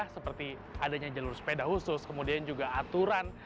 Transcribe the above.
seperti adanya jalur sepeda khusus kemudian juga aturan